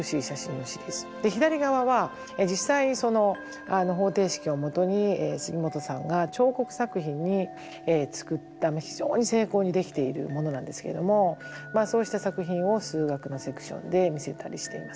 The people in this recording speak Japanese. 左側は実際に方程式をもとに杉本さんが彫刻作品に作った非常に精巧にできているものなんですけれどもそうした作品を数学のセクションで見せたりしています。